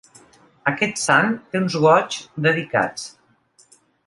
Aquest sant té uns Goigs dedicats.